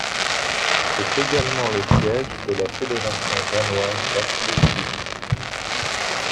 C'est également le siège de la Fédération danoise d'athlétisme.